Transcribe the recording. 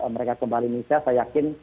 mereka kembali indonesia saya yakin